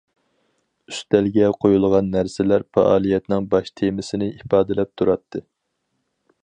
ئۈستەلگە قويۇلغان نەرسىلەر پائالىيەتنىڭ باش تېمىسىنى ئىپادىلەپ تۇراتتى.